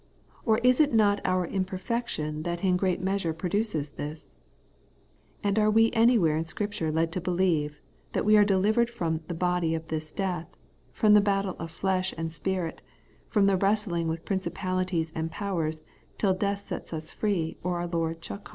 Or is it not our imperfection that in great measure produces this ? And are we anywhere in Scripture led to believe that we are delivered from *the body of this death,' from the battle of flesh and spirit, from the wrestling with principalities and powers, till death sets us free, or our Lord shall come